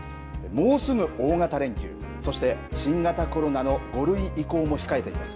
もうすぐ大型連休、そして新型コロナの５類移行も控えています。